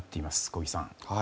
小木さん。